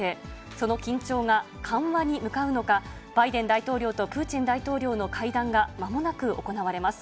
その緊張が緩和に向かうのか、バイデン大統領とプーチン大統領の会談がまもなく行われます。